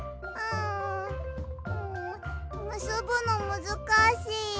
んんむすぶのむずかしい。